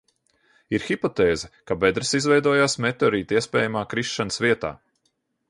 Ir hipotēze, ka bedres izveidojās meteorīta iespējamā krišanas vietā.